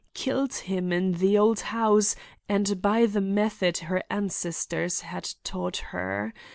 Killed him in the old house and by the method her ancestors had taught her.